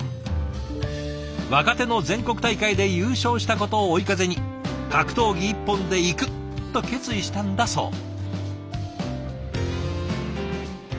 若手の全国大会で優勝したことを追い風に格闘技一本でいくと決意したんだそう。